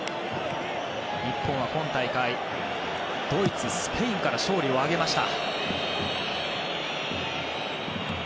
日本は今大会、ドイツスペインから勝利を挙げました。